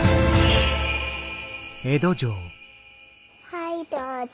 はいどうぞ。